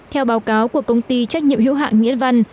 theo báo cáo của công ty trách nhiệm hữu hạn nghĩa văn